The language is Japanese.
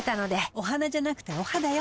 お花じゃなくてお肌よ。